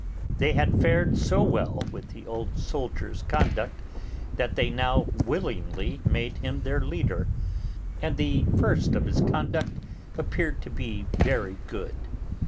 They had fared so well with the old soldier's conduct that they now willingly made him their leader, and the first of his conduct appeared to be very good.